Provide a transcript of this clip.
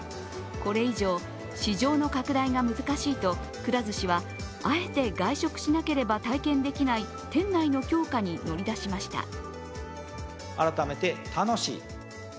これ以上、市場の拡大が難しいと、くら寿司はあえて外食しなければ体験できない店内の強化に乗り出しました。